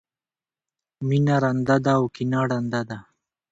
مینه رانده ده او کینه ړنده ده.